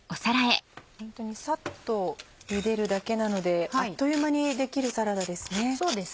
ホントにサッとゆでるだけなのであっという間に出来るサラダですね。